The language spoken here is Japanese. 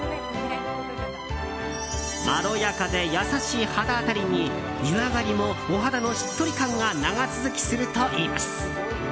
まろやかで優しい肌当たりに湯上がりもお肌のしっとり感が長続きするといいます。